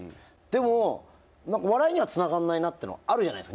でも何か笑いにはつながらないなってのあるじゃないですか。